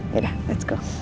yaudah let's go